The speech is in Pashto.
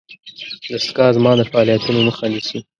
دستګاه زما د فعالیتونو مخه نیسي.